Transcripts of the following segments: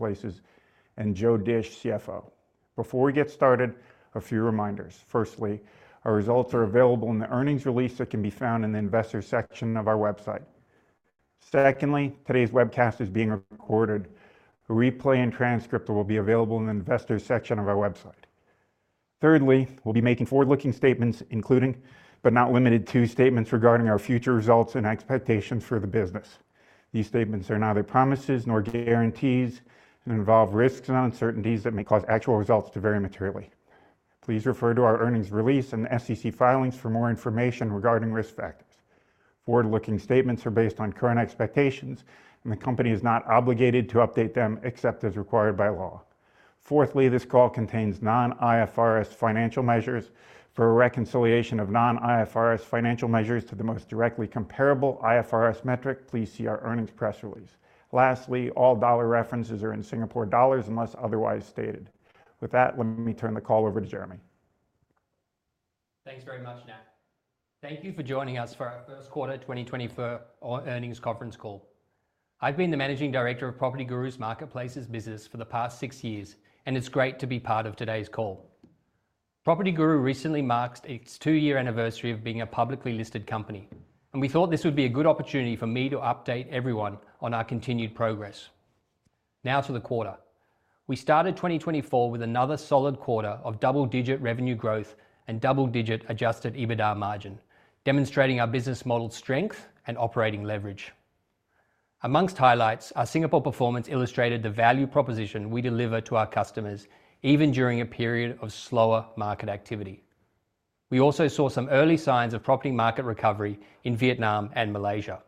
Marketplaces, and Joe Dische, CFO. Before we get started, a few reminders. Firstly, our results are available in the earnings release that can be found in the investor section of our website. Secondly, today's webcast is being recorded. A replay and transcript will be available in the investor section of our website. Thirdly, we'll be making forward-looking statements, including, but not limited to, statements regarding our future results and expectations for the business. These statements are neither promises, nor guarantees, and involve risks and uncertainties that may cause actual results to vary materially. Please refer to our earnings release and the SEC filings for more information regarding risk factors. Forward-looking statements are based on current expectations, and the company is not obligated to update them except as required by law. Fourthly, this call contains Non-IFRS financial measures. For a reconciliation of Non-IFRS financial measures to the most directly comparable IFRS metric, please see our earnings press release. Lastly, all dollar references are in Singapore dollars, unless otherwise stated. With that, let me turn the call over to Jeremy. Thanks very much, Nat. Thank you for joining us for our Q1 2024 earnings conference call. I've been the Managing Director of PropertyGuru's Marketplaces business for the past six years, and it's great to be part of today's call. PropertyGuru recently marked its two-year anniversary of being a publicly listed company, and we thought this would be a good opportunity for me to update everyone on our continued progress. Now to the quarter. We started 2024 with another solid quarter of double-digit revenue growth and double-digit adjusted EBITDA margin, demonstrating our business model strength and operating leverage. Among highlights, our Singapore performance illustrated the value proposition we deliver to our customers, even during a period of slower market activity. We also saw some early signs of property market recovery in Vietnam and Malaysia.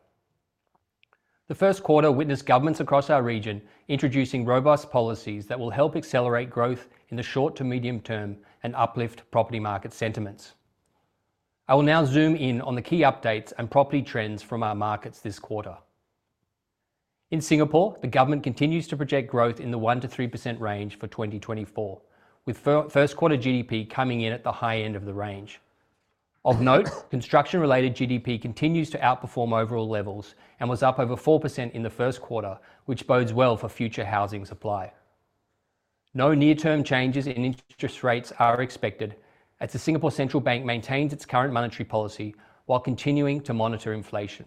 The Q1 witnessed governments across our region introducing robust policies that will help accelerate growth in the short to medium term and uplift property market sentiments. I will now zoom in on the key updates and property trends from our markets this quarter. In Singapore, the government continues to project growth in the 1%-3% range for 2024, with Q1 GDP coming in at the high end of the range. Of note, construction-related GDP continues to outperform overall levels and was up over 4% in the Q1, which bodes well for future housing supply. No near-term changes in interest rates are expected, as the Singapore Central Bank maintains its current monetary policy while continuing to monitor inflation.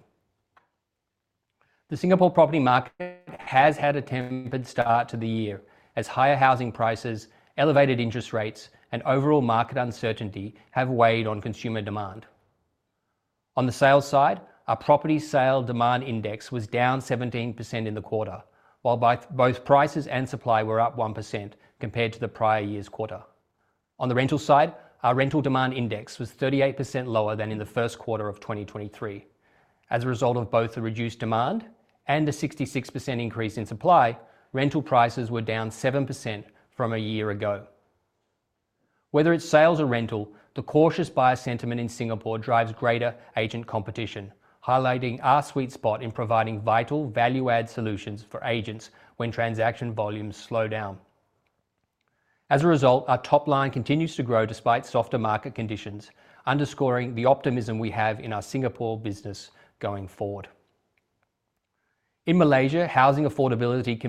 The Singapore property market has had a tempered start to the year, as higher housing prices, elevated interest rates, and overall market uncertainty have weighed on consumer demand. On the sales side, our property sale demand index was down 17% in the quarter, while both prices and supply were up 1% compared to the prior year's quarter. On the rental side, our rental demand index was 38% lower than in the Q1 of 2023. As a result of both the reduced demand and a 66% increase in supply, rental prices were down 7% from a year ago. Whether it's sales or rental, the cautious buyer sentiment in Singapore drives greater agent competition, highlighting our sweet spot in providing vital value-add solutions for agents when transaction volumes slow down. As a result, our top line continues to grow despite softer market conditions, underscoring the optimism we have in our Singapore business going forward. In Malaysia, housing affordability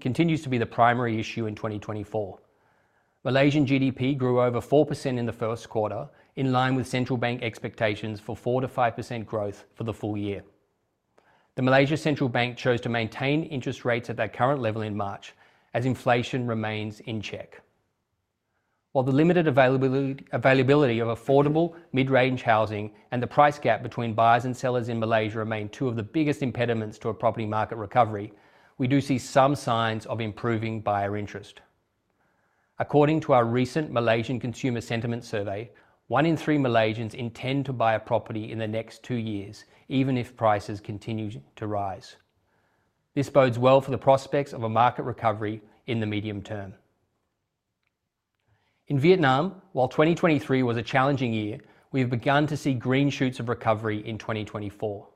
continues to be the primary issue in 2024. Malaysian GDP grew over 4% in the Q1, in line with central bank expectations for 4%-5% growth for the full year. The Malaysia Central Bank chose to maintain interest rates at their current level in March as inflation remains in check. While the limited availability of affordable mid-range housing and the price gap between buyers and sellers in Malaysia remain two of the biggest impediments to a property market recovery, we do see some signs of improving buyer interest. According to our recent Malaysian Consumer Sentiment Survey, one in three Malaysians intend to buy a property in the next 2 years, even if prices continue to rise. This bodes well for the prospects of a market recovery in the medium term. In Vietnam, while 2023 was a challenging year, we have begun to see green shoots of recovery in 2024.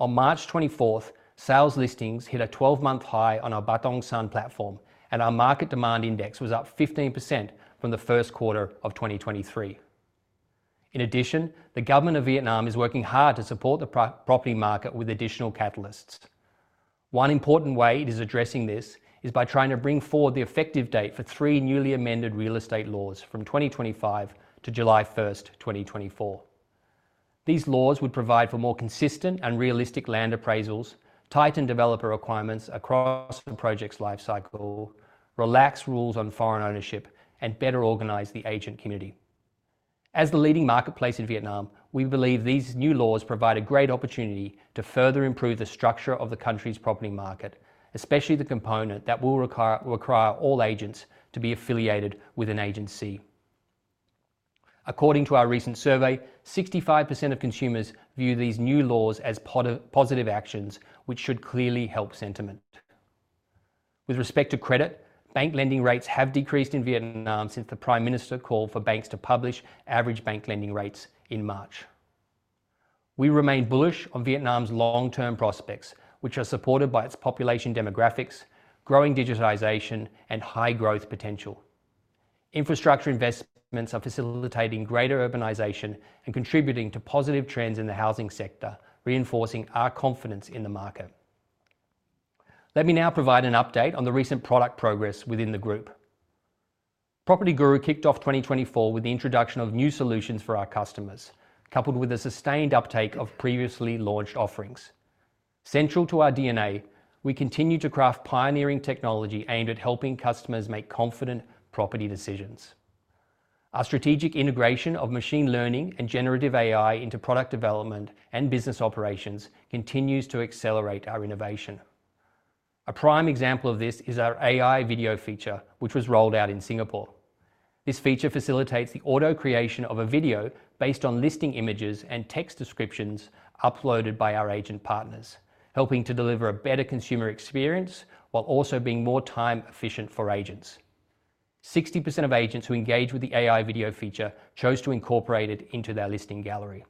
On March 24th, sales listings hit a 12-month high on our Batdongson platform, and our market demand index was up 15% from the Q1 of 2023. In addition, the government of Vietnam is working hard to support the property market with additional catalysts. One important way it is addressing this is by trying to bring forward the effective date for three newly amended real estate laws from 2025 to July 1, 2024. These laws would provide for more consistent and realistic land appraisals, tighten developer requirements across the project's life cycle, relax rules on foreign ownership, and better organize the agent community. As the leading marketplace in Vietnam, we believe these new laws provide a great opportunity to further improve the structure of the country's property market, especially the component that will require all agents to be affiliated with an agency. According to our recent survey, 65% of consumers view these new laws as positive actions, which should clearly help sentiment. With respect to credit, bank lending rates have decreased in Vietnam since the Prime Minister called for banks to publish average bank lending rates in March. We remain bullish on Vietnam's long-term prospects, which are supported by its population demographics, growing digitization, and high growth potential.... Infrastructure investments are facilitating greater urbanization and contributing to positive trends in the housing sector, reinforcing our confidence in the market. Let me now provide an update on the recent product progress within the group. PropertyGuru kicked off 2024 with the introduction of new solutions for our customers, coupled with a sustained uptake of previously launched offerings. Central to our DNA, we continue to craft pioneering technology aimed at helping customers make confident property decisions. Our strategic integration of machine learning and generative AI into product development and business operations continues to accelerate our innovation. A prime example of this is our AI video feature, which was rolled out in Singapore. This feature facilitates the auto creation of a video based on listing images and text descriptions uploaded by our agent partners, helping to deliver a better consumer experience while also being more time efficient for agents. 60% of agents who engage with the AI video feature chose to incorporate it into their listing gallery.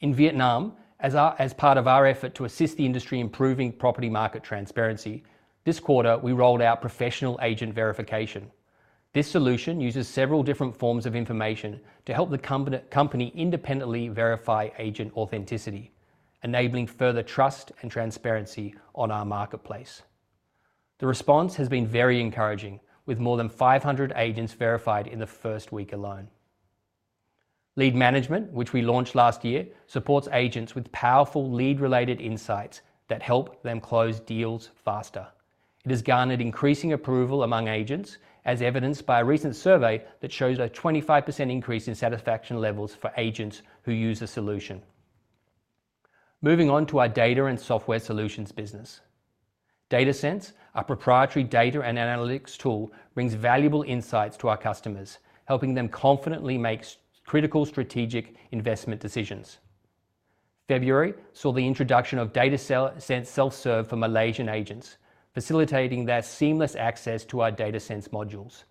In Vietnam, as part of our effort to assist the industry in improving property market transparency, this quarter, we rolled out Professional Agent Verification. This solution uses several different forms of information to help the company independently verify agent authenticity, enabling further trust and transparency on our marketplace. The response has been very encouraging, with more than 500 agents verified in the first week alone. Lead Management, which we launched last year, supports agents with powerful lead-related insights that help them close deals faster. It has garnered increasing approval among agents, as evidenced by a recent survey that shows a 25% increase in satisfaction levels for agents who use the solution. Moving on to our Data and Solutions business. DataSense, our proprietary data and analytics tool, brings valuable insights to our customers, helping them confidently make critical strategic investment decisions. February saw the introduction of DataSense Self-Serve for Malaysian agents, facilitating their seamless access to our DataSense modules.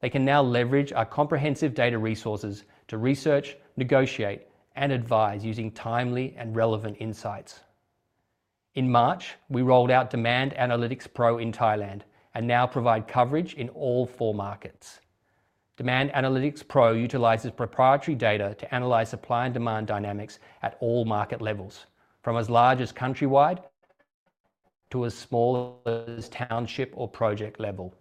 They can now leverage our comprehensive data resources to research, negotiate, and advise using timely and relevant insights. In March, we rolled out Demand Analytics Pro in Thailand and now provide coverage in all four markets. Demand Analytics Pro utilizes proprietary data to analyze supply and demand dynamics at all market levels, from as large as countrywide to as small as township or project level.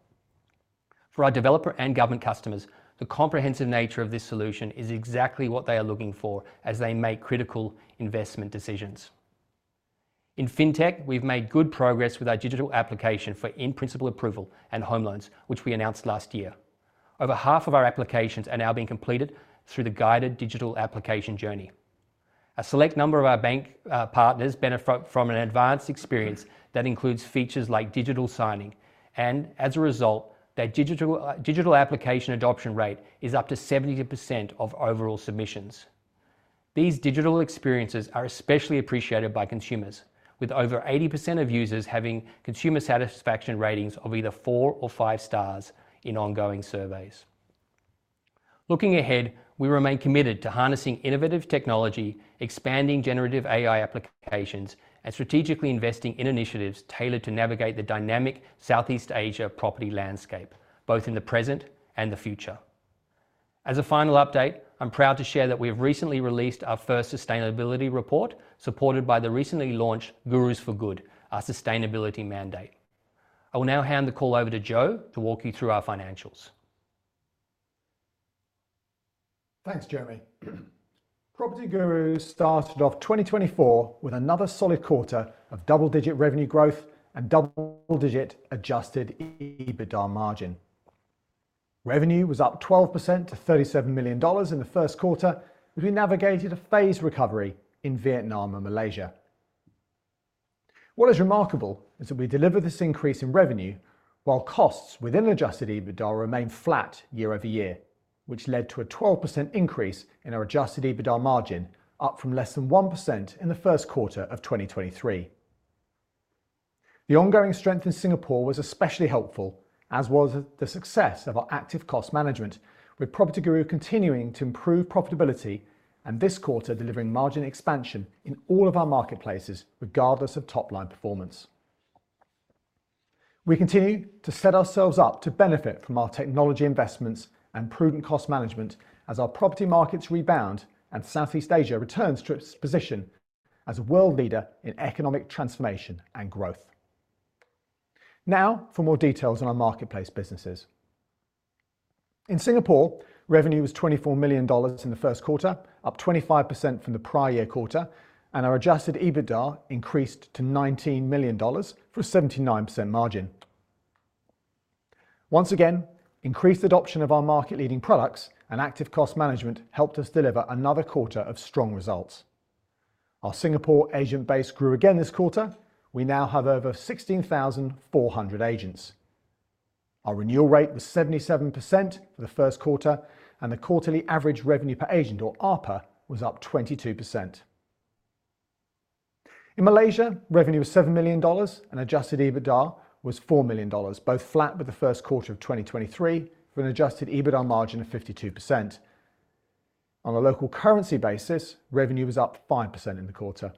For our developer and government customers, the comprehensive nature of this solution is exactly what they are looking for as they make critical investment decisions. In Fintech, we've made good progress with our digital application for in-principle approval and home loans, which we announced last year. Over half of our applications are now being completed through the guided digital application journey. A select number of our bank partners benefit from an advanced experience that includes features like digital signing, and as a result, their digital application adoption rate is up to 70% of overall submissions. These digital experiences are especially appreciated by consumers, with over 80% of users having consumer satisfaction ratings of either four or five stars in ongoing surveys. Looking ahead, we remain committed to harnessing innovative technology, expanding generative AI applications, and strategically investing in initiatives tailored to navigate the dynamic Southeast Asia property landscape, both in the present and the future. As a final update, I'm proud to share that we have recently released our first sustainability report, supported by the recently launched Gurus For Good, our sustainability mandate. I will now hand the call over to Joe to walk you through our financials. Thanks, Jeremy. PropertyGuru started off 2024 with another solid quarter of double-digit revenue growth and double-digit adjusted EBITDA margin. Revenue was up 12% to $37 million in the Q1 as we navigated a phased recovery in Vietnam and Malaysia. What is remarkable is that we delivered this increase in revenue while costs within adjusted EBITDA remained flat year-over-year, which led to a 12% increase in our adjusted EBITDA margin, up from less than 1% in the Q1 of 2023. The ongoing strength in Singapore was especially helpful, as was the success of our active cost management, with PropertyGuru continuing to improve profitability, and this quarter delivering margin expansion in all of our marketplaces, regardless of top-line performance. We continue to set ourselves up to benefit from our technology investments and prudent cost management as our property markets rebound and Southeast Asia returns to its position as a world leader in economic transformation and growth. Now for more details on our marketplace businesses. In Singapore, revenue was 24 million dollars in the Q1, up 25% from the prior year quarter, and our adjusted EBITDA increased to 19 million dollars for a 79% margin. Once again, increased adoption of our market-leading products and active cost management helped us deliver another quarter of strong results. Our Singapore agent base grew again this quarter. We now have over 16,400 agents. Our renewal rate was 77% for the Q1, and the quarterly average revenue per agent, or ARPA, was up 22%. In Malaysia, revenue was $7 million, and adjusted EBITDA was $4 million, both flat with the Q1 of 2023, for an adjusted EBITDA margin of 52%. On a local currency basis, revenue was up 5% in the quarter....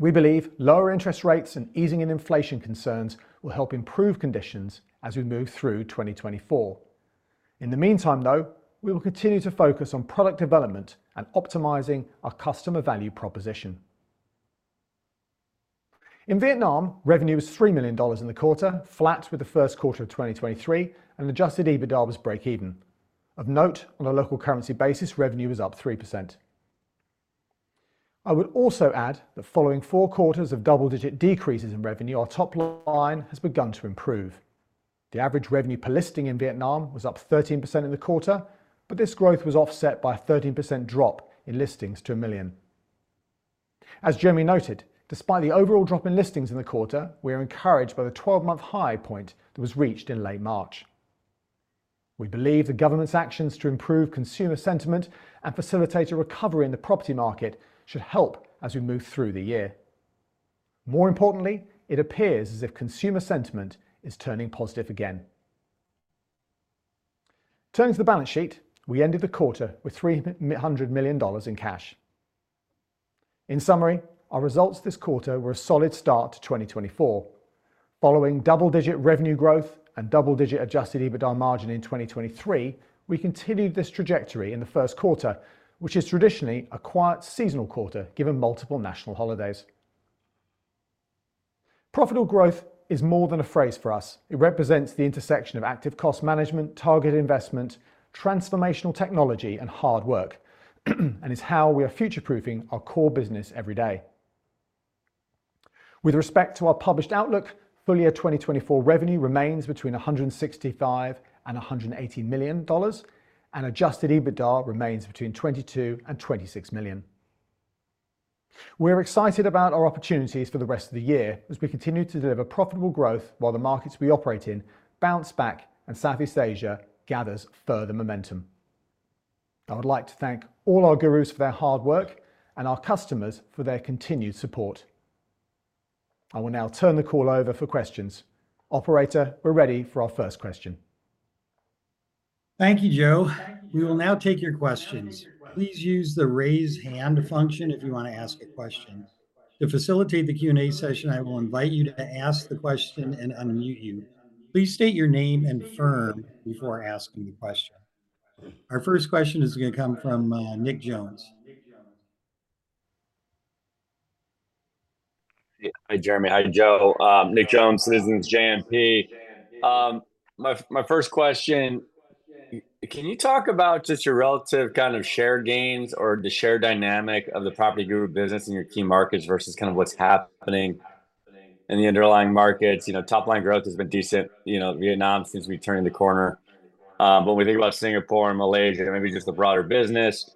We believe lower interest rates and easing in inflation concerns will help improve conditions as we move through 2024. In the meantime, though, we will continue to focus on product development and optimizing our customer value proposition. In Vietnam, revenue was $3 million in the quarter, flat with the Q1 of 2023, and adjusted EBITDA was break even. Of note, on a local currency basis, revenue was up 3%. I would also add that following four quarters of double-digit decreases in revenue, our top line has begun to improve. The average revenue per listing in Vietnam was up 13% in the quarter, but this growth was offset by a 13% drop in listings to 1 million. As Jeremy noted, despite the overall drop in listings in the quarter, we are encouraged by the 12-month high point that was reached in late March. We believe the government's actions to improve consumer sentiment and facilitate a recovery in the property market should help as we move through the year. More importantly, it appears as if consumer sentiment is turning positive again. Turning to the balance sheet, we ended the quarter with $300 million in cash. In summary, our results this quarter were a solid start to 2024. Following double-digit revenue growth and double-digit adjusted EBITDA margin in 2023, we continued this trajectory in the Q1, which is traditionally a quiet seasonal quarter, given multiple national holidays. Profitable growth is more than a phrase for us. It represents the intersection of active cost management, targeted investment, transformational technology, and hard work, and it's how we are future-proofing our core business every day. With respect to our published outlook, full-year 2024 revenue remains between $165 million and $180 million, and adjusted EBITDA remains between $22 million and $26 million. We're excited about our opportunities for the rest of the year as we continue to deliver profitable growth, while the markets we operate in bounce back and Southeast Asia gathers further momentum. I would like to thank all our Gurus for their hard work and our customers for their continued support. I will now turn the call over for questions. Operator, we're ready for our first question. Thank you, Joe. We will now take your questions. Please use the Raise Hand function if you want to ask a question. To facilitate the Q&A session, I will invite you to ask the question and unmute you. Please state your name and firm before asking the question. Our first question is gonna come from Nick Jones. Hi, Jeremy. Hi, Joe. Nick Jones, Citizens JMP. My first question, can you talk about just your relative kind of share gains or the share dynamic of the PropertyGuru business in your key markets versus kind of what's happening in the underlying markets? You know, top line growth has been decent. You know, Vietnam seems to be turning the corner. When we think about Singapore and Malaysia, maybe just the broader business,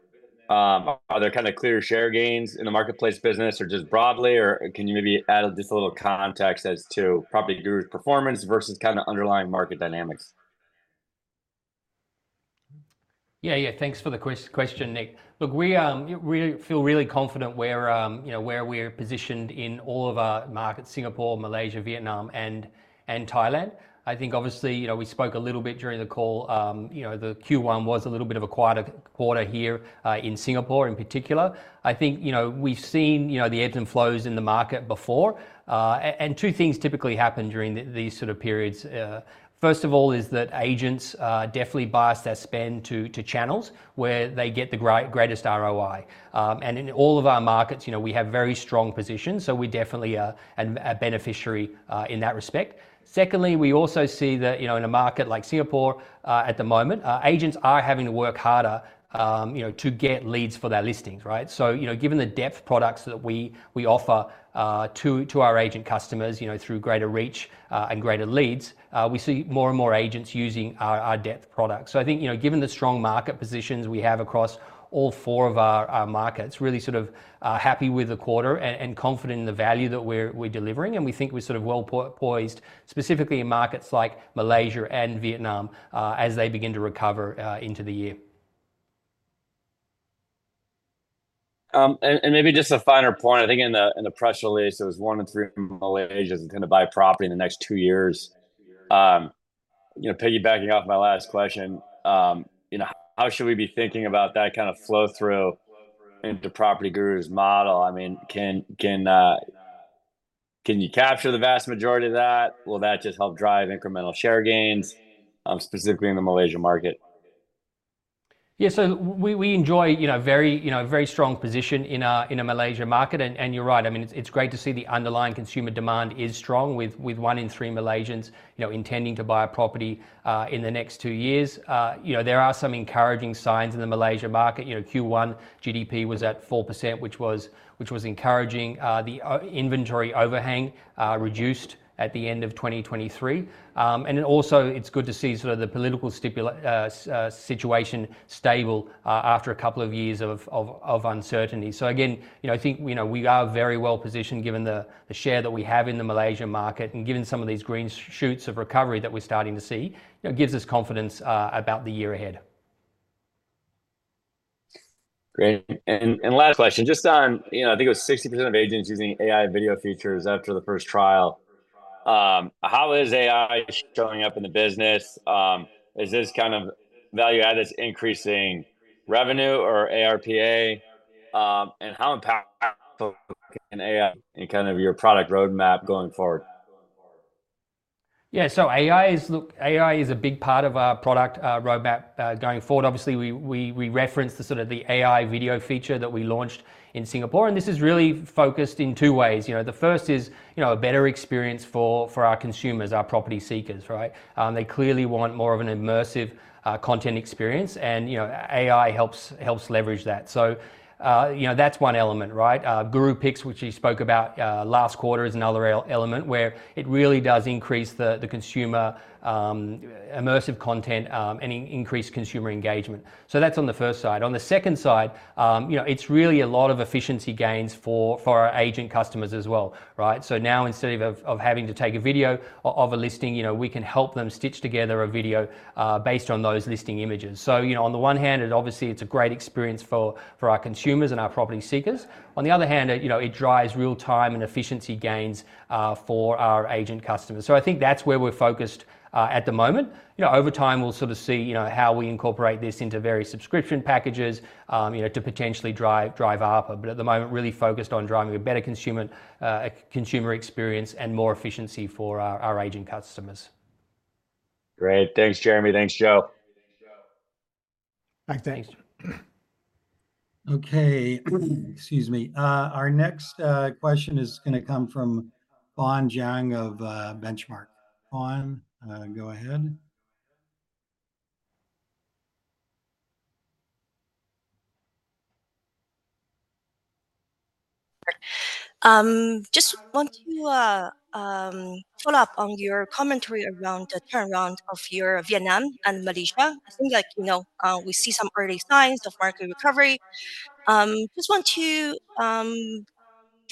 are there kind of clear share gains in the marketplace business or just broadly, or can you maybe add just a little context as to PropertyGuru's performance versus kind of underlying market dynamics? Yeah, yeah. Thanks for the question, Nick. Look, we feel really confident where, you know, where we're positioned in all of our markets, Singapore, Malaysia, Vietnam, and Thailand. I think obviously, you know, we spoke a little bit during the call, you know, the Q1 was a little bit of a quieter quarter here in Singapore in particular. I think, you know, we've seen, you know, the ebbs and flows in the market before. And two things typically happen during these sort of periods. First of all, is that agents definitely bias their spend to channels where they get the greatest ROI. And in all of our markets, you know, we have very strong positions, so we definitely are a beneficiary in that respect. Secondly, we also see that, you know, in a market like Singapore, at the moment, agents are having to work harder, you know, to get leads for their listings, right? So, you know, given the ad products that we offer, to our agent customers, you know, through greater reach, and greater leads, we see more and more agents using our ad products. So I think, you know, given the strong market positions we have across all four of our markets, really sort of happy with the quarter and confident in the value that we're delivering, and we think we're sort of well poised, specifically in markets like Malaysia and Vietnam, as they begin to recover, into the year. And maybe just a finer point, I think in the press release, there was one in three Malaysians intending to buy property in the next 2 years. You know, piggybacking off my last question, you know, how should we be thinking about that kind of flow-through into PropertyGuru's model? I mean, can you capture the vast majority of that? Will that just help drive incremental share gains, specifically in the Malaysia market? Yeah, so we enjoy, you know, very, you know, a very strong position in our, in the Malaysia market, and you're right. I mean, it's great to see the underlying consumer demand is strong with one in three Malaysians, you know, intending to buy a property in the next 2 years. You know, there are some encouraging signs in the Malaysia market. You know, Q1 GDP was at 4%, which was encouraging. The inventory overhang reduced at the end of 2023. And then, also, it's good to see the political situation stable after a couple of years of uncertainty. So again, you know, I think, you know, we are very well-positioned, given the share that we have in the Malaysia market and given some of these green shoots of recovery that we're starting to see. You know, it gives us confidence about the year ahead. Great. And last question, just on, you know, I think it was 60% of agents using AI video features after the first trial. How is AI showing up in the business? Is this kind of value-add increasing revenue or ARPA, and how impactful is AI in kind of your product roadmap going forward? Yeah. So AI is - look, AI is a big part of our product roadmap going forward. Obviously, we referenced the sort of the AI video feature that we launched in Singapore, and this is really focused in two ways. You know, the first is, you know, a better experience for our consumers, our property seekers, right? They clearly want more of an immersive content experience, and, you know, AI helps leverage that. So, you know, that's one element, right? Guru Picks, which you spoke about last quarter, is another element where it really does increase the consumer immersive content and increase consumer engagement. So that's on the first side. On the second side, you know, it's really a lot of efficiency gains for our agent customers as well, right? So now, instead of having to take a video of a listing, you know, we can help them stitch together a video based on those listing images. So, you know, on the one hand, it obviously it's a great experience for our consumers and our property seekers. On the other hand, it, you know, it drives real time and efficiency gains for our agent customers. So I think that's where we're focused at the moment. You know, over time, we'll sort of see, you know, how we incorporate this into various subscription packages, you know, to potentially drive ARPA, but at the moment, really focused on driving a better consumer experience and more efficiency for our agent customers. Great. Thanks, Jeremy. Thanks, Joe. Thanks. Thanks. Okay, excuse me. Our next question is gonna come from Fawne Jiang of Benchmark. Fawne, go ahead. Just want to follow up on your commentary around the turnaround of your Vietnam and Malaysia. I think, like, you know, we see some early signs of market recovery. Just want to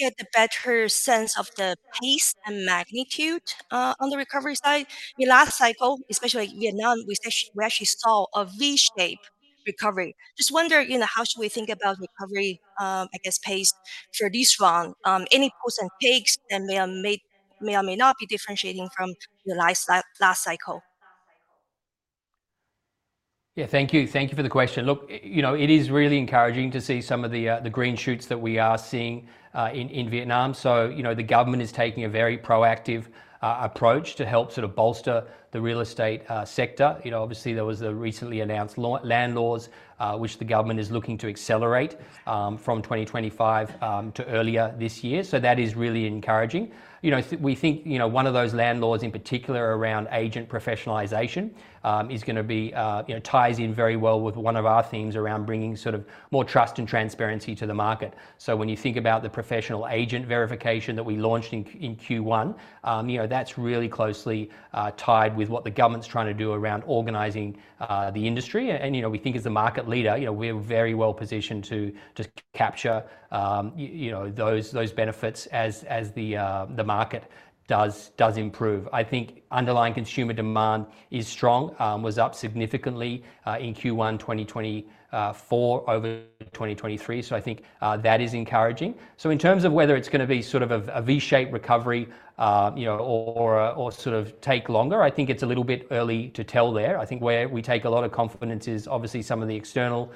get a better sense of the pace and magnitude on the recovery side. In last cycle, especially Vietnam, we actually saw a V-shape recovery. Just wonder, you know, how should we think about recovery, I guess, pace for this one? Any pros and cons that may or may not be differentiating from the last cycle? Yeah. Thank you. Thank you for the question. Look, you know, it is really encouraging to see some of the green shoots that we are seeing, in Vietnam. So, you know, the government is taking a very proactive, approach to help sort of bolster the real estate, sector. You know, obviously, there was the recently announced land laws, which the government is looking to accelerate, from 2025, to earlier this year. So that is really encouraging. You know, we think, you know, one of those land laws, in particular around agent professionalization, is gonna be, you know, ties in very well with one of our themes around bringing sort of more trust and transparency to the market. So when you think about the Professional Agent Verification that we launched in Q1, you know, that's really closely tied with what the government's trying to do around organizing the industry. You know, we think as a market leader, you know, we're very well positioned to capture, you know, those benefits as the market does improve. I think underlying consumer demand is strong, was up significantly in Q1 2024 over 2023. So I think that is encouraging. So in terms of whether it's gonna be sort of a V-shaped recovery, you know, or sort of take longer, I think it's a little bit early to tell there. I think where we take a lot of confidence is obviously some of the external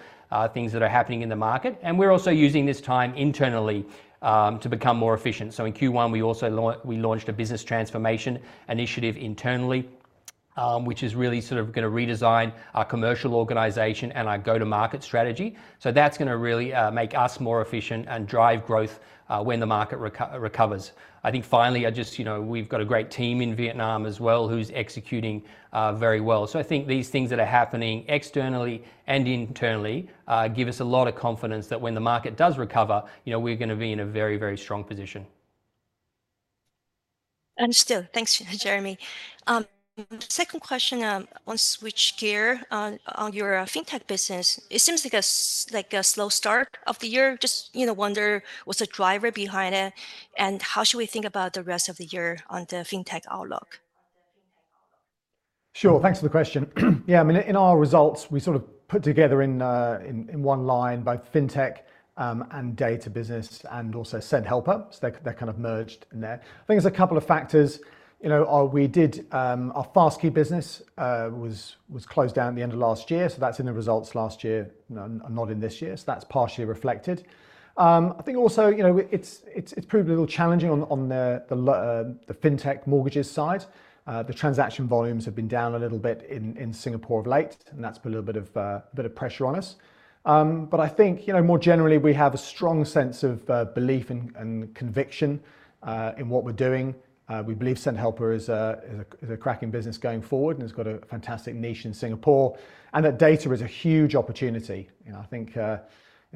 things that are happening in the market, and we're also using this time internally to become more efficient. So in Q1, we also launched a business transformation initiative internally, which is really sort of gonna redesign our commercial organization and our go-to-market strategy. So that's gonna really make us more efficient and drive growth when the market recovers. I think finally, I just, you know, we've got a great team in Vietnam as well, who's executing very well. So I think these things that are happening externally and internally give us a lot of confidence that when the market does recover, you know, we're gonna be in a very, very strong position. Understood. Thanks, Jeremy. Second question, want to switch gear on, on your Fintech business. It seems like a slow start of the year. Just, you know, wonder, what's the driver behind it, and how should we think about the rest of the year on the Fintech outlook? Sure. Thanks for the question. Yeah, I mean, in our results, we sort of put together in one line, both Fintech and data business and also Sendhelper. So they're kind of merged in there. I think there's a couple of factors. You know, we did our FastKey business was closed down at the end of last year, so that's in the results last year, not in this year, so that's partially reflected. I think also, you know, it's proved a little challenging on the Fintech mortgages side. The transaction volumes have been down a little bit in Singapore of late, and that's put a little bit of pressure on us. But I think, you know, more generally, we have a strong sense of belief and conviction in what we're doing. We believe Sendhelper is a cracking business going forward, and it's got a fantastic niche in Singapore, and that data is a huge opportunity. You know, I think, you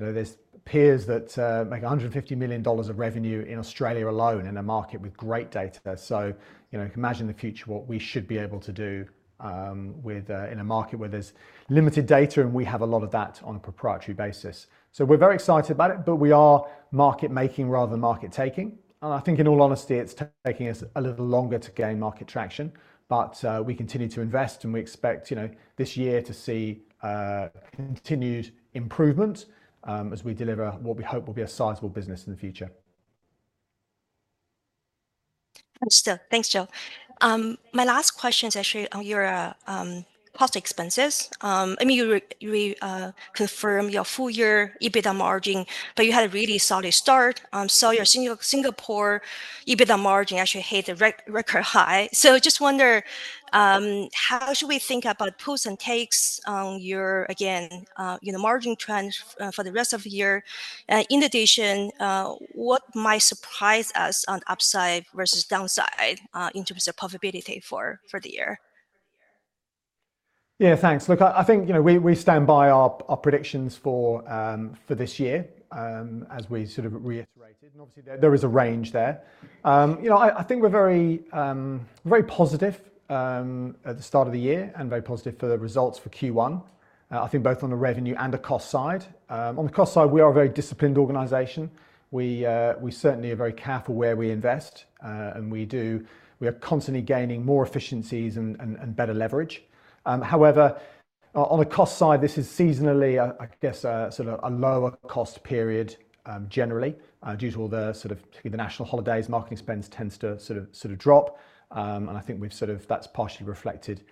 know, there's peers that make 150 million dollars of revenue in Australia alone in a market with great data there. So, you know, you can imagine in the future what we should be able to do with in a market where there's limited data, and we have a lot of that on a proprietary basis. So we're very excited about it, but we are market-making rather than market-taking, and I think in all honesty, it's taking us a little longer to gain market traction. But, we continue to invest, and we expect, you know, this year to see continued improvement, as we deliver what we hope will be a sizable business in the future. Understood. Thanks, Joe. My last question is actually on your cost expenses. I mean, you confirm your full year EBITDA margin, but you had a really solid start. Saw your Singapore EBITDA margin actually hit a record high. So just wonder how should we think about the pulls and takes on your, again, you know, margin trend for the rest of the year? In addition, what might surprise us on upside versus downside in terms of profitability for the year? Yeah, thanks. Look, I think, you know, we stand by our predictions for this year, as we sort of reiterated, and obviously there is a range there. You know, I think we're very positive at the start of the year and very positive for the results for Q1, I think both on the revenue and the cost side. On the cost side, we are a very disciplined organization. We certainly are very careful where we invest, and we are constantly gaining more efficiencies and better leverage. However, on the cost side, this is seasonally, I guess, a sort of a lower cost period, generally, due to all the sort of the national holidays, marketing spends tends to sort of drop. And I think we've sort of that's partially reflected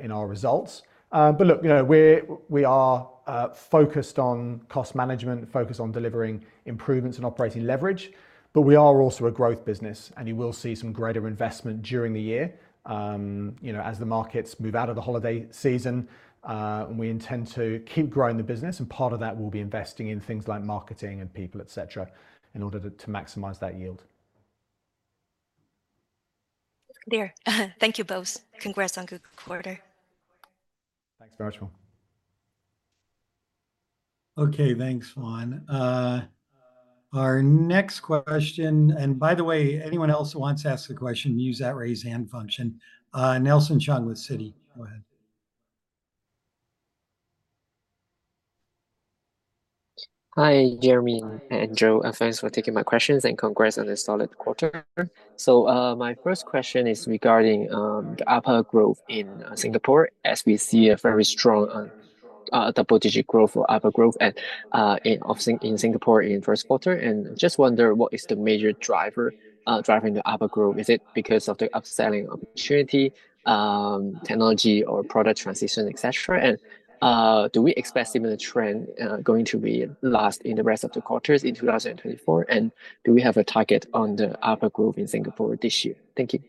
in our results. But look, you know, we are focused on cost management, focused on delivering improvements in operating leverage, but we are also a growth business, and you will see some greater investment during the year. You know, as the markets move out of the holiday season, and we intend to keep growing the business, and part of that will be investing in things like marketing and people, et cetera, in order to maximize that yield. Clear. Thank you both. Congrats on good quarter. Thanks, Fawne Jiang. Okay, thanks, Fawne. Our next question, and by the way, anyone else who wants to ask a question, use that raise hand function. Nelson Cheung with Citi, go ahead. Hi, Jeremy and Joe, and thanks for taking my questions, and congrats on the solid quarter. So, my first question is regarding the ARPA growth in Singapore, as we see a very strong double-digit growth or ARPA growth and in obviously in Singapore in Q1. And just wonder, what is the major driver driving the ARPA growth? Is it because of the upselling opportunity, technology or product transition, et cetera? And do we expect similar trend going to be last in the rest of the quarters in 2024? And do we have a target on the ARPA growth in Singapore this year? Thank you.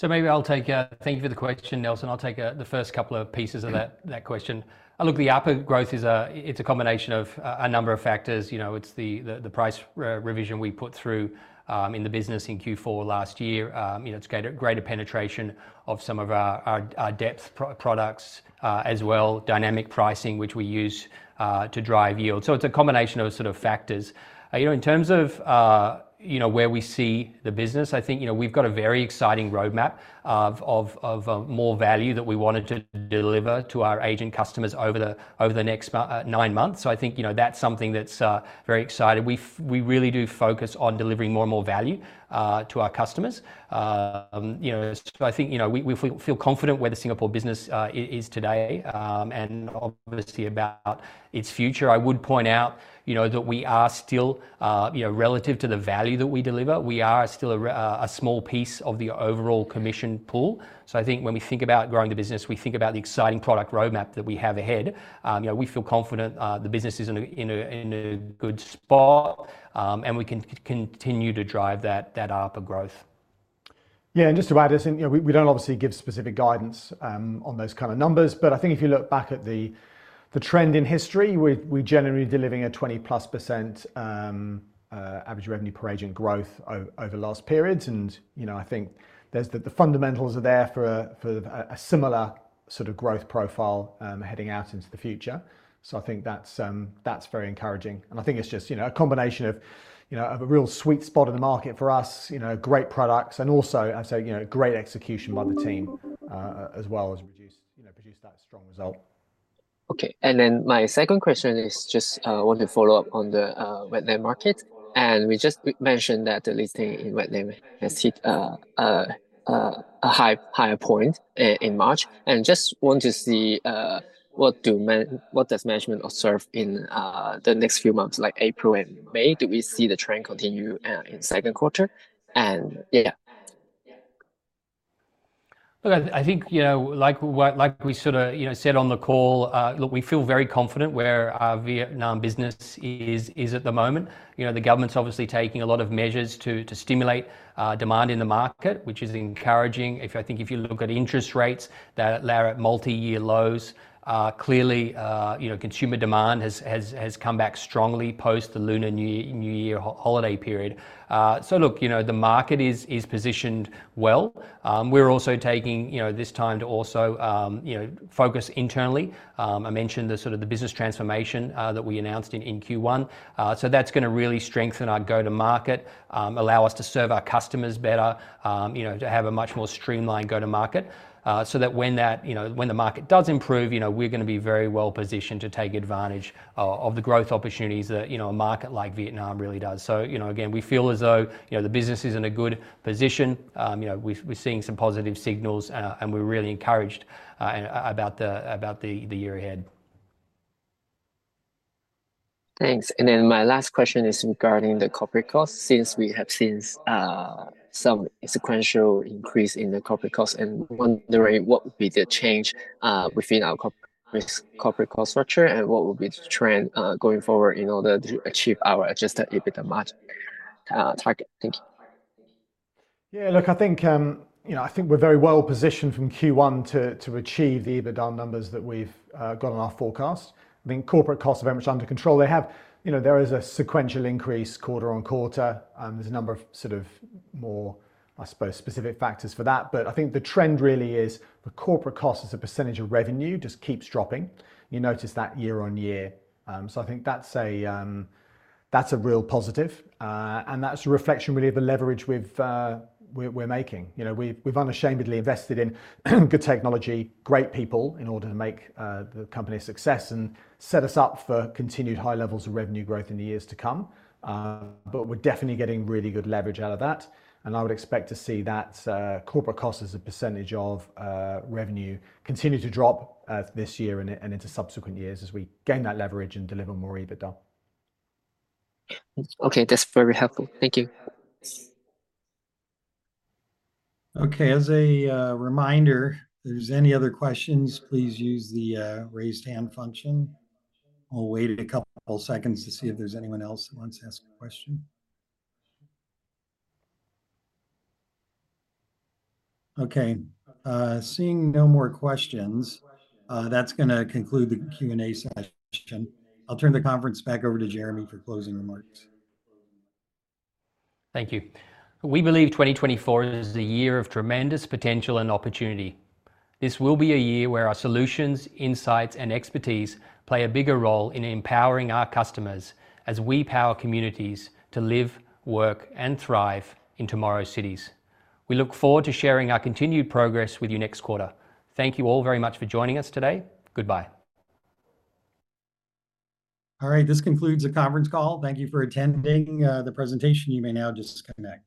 So maybe I'll take... Thank you for the question, Nelson. I'll take the first couple of pieces of that... Yeah... that question. Look, the ARPA growth is a, it's a combination of a number of factors. You know, it's the price revision we put through in the business in Q4 last year. You know, it's greater penetration of some of our depth products as well, dynamic pricing, which we use to drive yield. So it's a combination of sort of factors. You know, in terms of, you know, where we see the business, I think, you know, we've got a very exciting roadmap of more value that we wanted to deliver to our agent customers over the next nine months. So I think, you know, that's something that's very exciting. We really do focus on delivering more and more value to our customers. You know, so I think, you know, we feel confident where the Singapore business is today, and obviously about its future. I would point out, you know, that we are still, you know, relative to the value that we deliver, we are still a small piece of the overall commission pool. So I think when we think about growing the business, we think about the exciting product roadmap that we have ahead. You know, we feel confident, the business is in a good spot, and we can continue to drive that ARPA growth. Yeah, and just to add to this, you know, we don't obviously give specific guidance on those kind of numbers, but I think if you look back at the trend in history, we're generally delivering a 20%+ average revenue per agent growth over the last periods. And, you know, I think there's the fundamentals are there for a similar sort of growth profile heading out into the future. So I think that's very encouraging. And I think it's just, you know, a combination of, you know, of a real sweet spot in the market for us, you know, great products, and also, I'd say, you know, great execution by the team as well as reduce, you know, produce that strong result. Okay. And then my second question is just, I want to follow up on the Vietnam market. And we just mentioned that the listing in Vietnam has hit a higher point in March, and just want to see what does management observe in the next few months, like April and May? Do we see the trend continue in Q2? And, yeah. Look, I think, you know, like what we sort of, you know, said on the call, look, we feel very confident where our Vietnam business is at the moment. You know, the government's obviously taking a lot of measures to stimulate demand in the market, which is encouraging. I think if you look at interest rates, they're at multi-year lows. Clearly, you know, consumer demand has come back strongly post the Lunar New Year holiday period. So look, you know, the market is positioned well. We're also taking, you know, this time to also, you know, focus internally. I mentioned the sort of business transformation that we announced in Q1. So that's gonna really strengthen our go-to-market, allow us to serve our customers better, you know, to have a much more streamlined go-to-market. So that when that, you know, when the market does improve, you know, we're gonna be very well-positioned to take advantage of the growth opportunities that, you know, a market like Vietnam really does. So, you know, again, we feel as though, you know, the business is in a good position. You know, we've, we're seeing some positive signals, and we're really encouraged about the year ahead. Thanks. Then my last question is regarding the corporate costs, since we have seen some sequential increase in the corporate costs, and wondering what would be the change within our corporate cost structure, and what would be the trend going forward in order to achieve our Adjusted EBITDA margin target? Thank you. Yeah, look, I think, you know, I think we're very well positioned from Q1 to achieve the EBITDA numbers that we've got on our forecast. I mean, corporate costs are very much under control. They have. You know, there is a sequential increase quarter-on-quarter, and there's a number of sort of more, I suppose, specific factors for that. But I think the trend really is the corporate cost as a percentage of revenue just keeps dropping. You notice that year-on-year. So I think that's a, that's a real positive, and that's a reflection really of the leverage we're making. You know, we've unashamedly invested in good technology, great people, in order to make the company a success and set us up for continued high levels of revenue growth in the years to come. But we're definitely getting really good leverage out of that, and I would expect to see that corporate cost as a percentage of revenue continue to drop this year and into subsequent years as we gain that leverage and deliver more EBITDA. Okay, that's very helpful. Thank you. Okay, as a reminder, if there's any other questions, please use the raised hand function. I'll wait a couple seconds to see if there's anyone else that wants to ask a question. Okay, seeing no more questions, that's gonna conclude the Q&A session. I'll turn the conference back over to Jeremy for closing remarks. Thank you. We believe 2024 is a year of tremendous potential and opportunity. This will be a year where our solutions, insights, and expertise play a bigger role in empowering our customers as we power communities to live, work, and thrive in tomorrow's cities. We look forward to sharing our continued progress with you next quarter. Thank you all very much for joining us today. Goodbye. All right, this concludes the conference call. Thank you for attending the presentation. You may now disconnect.